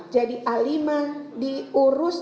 jadi a lima diurus